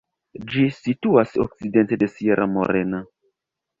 Ĝi situas okcidente de Sierra Morena.